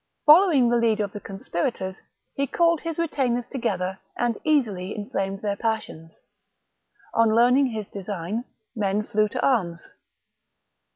Following in chief. the lead of the conspirators, he called his retainers measures. together, and easily inflamed their passiorls. On learning his design, men flew to arms.